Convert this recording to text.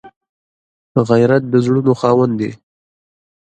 غیرت د زړونو خاوند دی